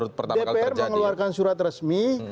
dpr mengeluarkan surat resmi